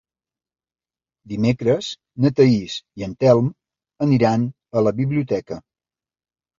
Dimecres na Thaís i en Telm aniran a la biblioteca.